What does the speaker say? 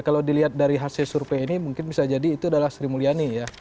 kalau dilihat dari hasil survei ini mungkin bisa jadi itu adalah sri mulyani ya